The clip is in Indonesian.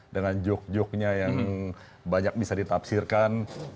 dengan joke jokenya yang banyak bisa ditafsirkan